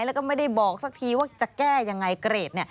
แล้วก็ไม่ได้บอกสักทีว่าจะแก้ยังไงเกรด